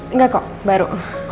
enggak kok baru